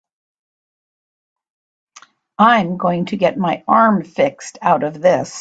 I'm gonna get my arm fixed out of this.